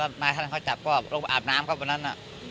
วันที่ท่านเขาจับก็รอกฉายอาบน้ำครับวันนั้น